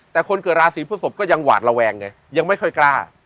แต่คนเกิดราศีพฤศพก็ยังหวาดระแวงไงยังไม่ค่อยกล้า